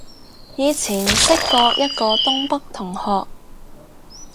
以前識過一個東北同學